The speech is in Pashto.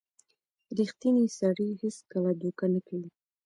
• ریښتینی سړی هیڅکله دوکه نه کوي.